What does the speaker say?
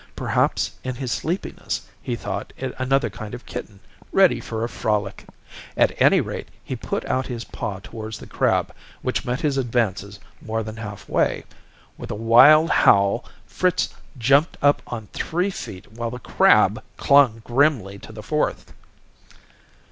Perhaps in his sleepiness, he thought it another kind of kitten ready for a frolic. At any rate, he put out his paw towards the crab, which met his advances more than halfway. With a wild howl, Fritz jumped up on three feet while the crab clung grimly to the fourth.